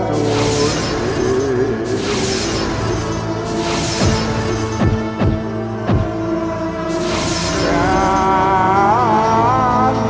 kau harus berhenti